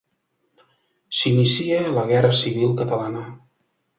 S'inicia la guerra civil catalana.